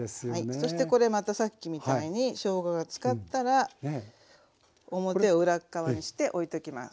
そしてこれまたさっきみたいにしょうががつかったら表を裏側にしておいときます。